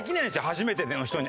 初めての人に。